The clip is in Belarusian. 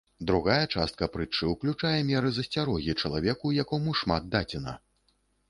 Другая частка прытчы ўключае меры засцярогі чалавеку, якому шмат дадзена.